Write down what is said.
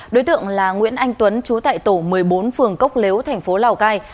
đối tượng là nguyễn anh tuấn trú tại tổ một mươi bốn phường cốc lếu tp lào cai